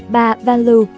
bà van loo